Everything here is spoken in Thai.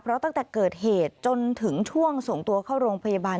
เพราะตั้งแต่เกิดเหตุจนถึงช่วงส่งตัวเข้าโรงพยาบาล